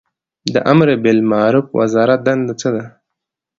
د امربالمعروف وزارت دنده څه ده؟